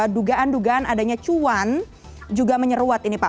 dugaan dugaan adanya cuan juga menyeruat ini pak